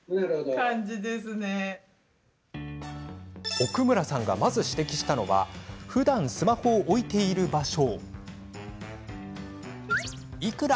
奥村さんがまず指摘したのはふだんスマホを置いている場所。